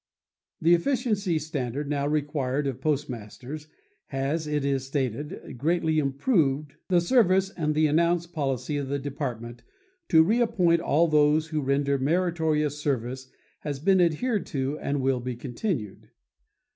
The efficiency standard now required of Postmasters, has it is stated, greatly improved the service and the announced policy of the Department to reappoint all those who render meritorious service has been adhered to and will be continued.